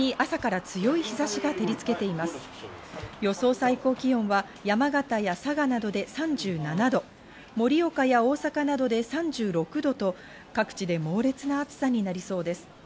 最高気温は山形や佐賀などで３７度、盛岡や大阪などで３６度と各地で猛烈な暑さになりそうです。